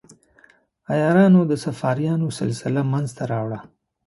عیارانو د صفاریانو سلسله منځته راوړه.